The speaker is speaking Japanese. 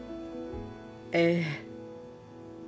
ええ。